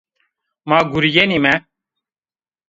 Ma gureyenîme.